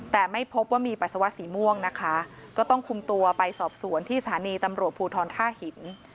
แต่ไม่พบว่ามีปัสสาวะสีม่วงนะคะก็ต้องคุมตัวไปสอบสวนที่สถานีตำรวจภูทรท่าหิน